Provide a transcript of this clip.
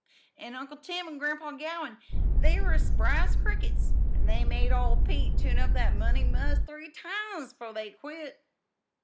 "An' Uncle Tim an' Grandpa Gowin' they was as spry as crickets, an' they made old Pete tune up that 'Money Musk' three times 'fore they'd quit."